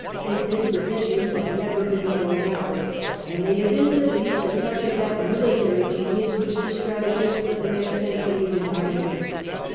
His dispositions had never been so elaborate, and they evince at least a touch of that military genius which the strategists of the next century denied him.